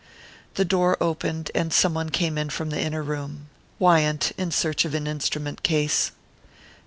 The door opened and some one came from the inner room Wyant, in search of an instrument case.